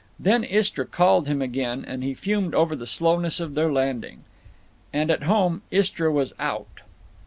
Then Istra called him again, and he fumed over the slowness of their landing. And, at home, Istra was out.